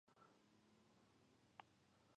آیا کاناډا د کانونو قوانین نلري؟